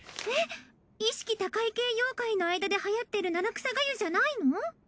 えっ意識高い系妖怪の間で流行ってる七草がゆじゃないの？